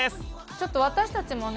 ちょっと私たちもね